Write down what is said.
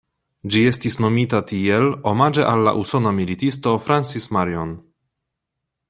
Ĝi estis nomita tiel omaĝe al la usona militisto Francis Marion.